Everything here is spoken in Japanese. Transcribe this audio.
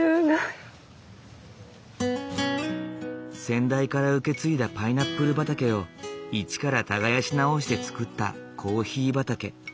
先代から受け継いだパイナップル畑を一から耕し直して作ったコーヒー畑。